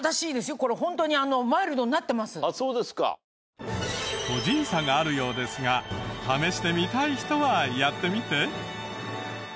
これホントに個人差があるようですが試してみたい人はやってみて。